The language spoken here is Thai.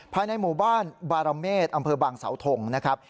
ภายในหมู่บ้านบารเมษอำเภอบางสาวทงนะครับ